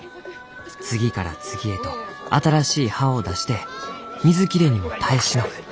次から次へと新しい葉を出して水切れにも耐え忍ぶ」。